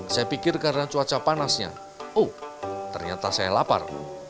saya pikir karena cuaca panasnya oh ternyata saya lapar